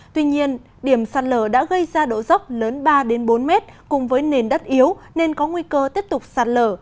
tuy nhiên điểm sạt lở đã gây ra độ dốc lớn ba bốn mét cùng với nền đất yếu nên có nguy cơ tiếp tục sạt lở